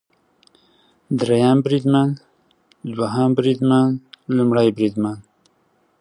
دریم بریدمن، دوهم بریدمن ، لومړی بریدمن